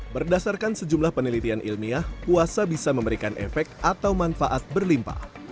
berdasarkan sejumlah penelitian ilmiah puasa bisa memberikan efek atau manfaat berlimpah